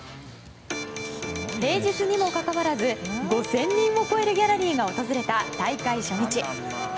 平日にもかかわらず５０００人を超えるギャラリーが訪れた大会初日。